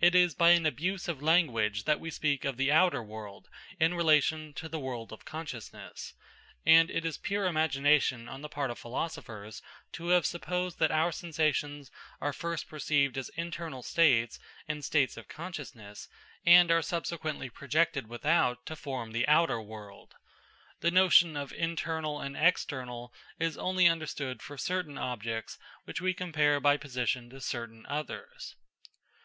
It is by an abuse of language that we speak of the outer world in relation to the world of consciousness, and it is pure imagination on the part of philosophers to have supposed that our sensations are first perceived as internal states and states of consciousness, and are subsequently projected without to form the outer world. The notion of internal and external is only understood for certain objects which we compare by position to certain others.